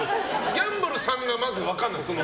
ギャンブルさんがまず分からない。